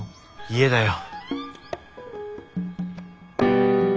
家だよ。